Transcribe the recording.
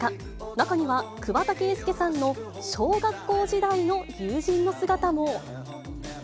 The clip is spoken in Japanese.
中には桑田佳祐さんの小学校時代の友人の姿も。